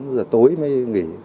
tám giờ tối mới nghỉ